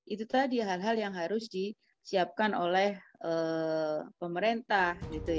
itu tadi hal hal yang harus disiapkan oleh pemerintah